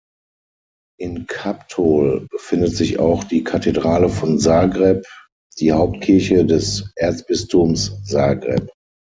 In Kaptol befindet sich auch die Kathedrale von Zagreb, die Hauptkirche des Erzbistums Zagreb.